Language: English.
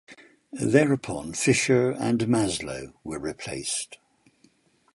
Thereupon Fischer and Maslow were replaced.